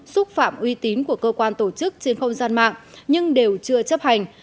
xúc phạm uy tín của cơ quan tổ chức trên không gian mạng nhưng đều chưa chấp hành